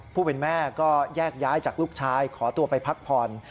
ผู้เป็นแม่ก็แยกย้ายจากลูกชายขอตัวไปพักผ่อน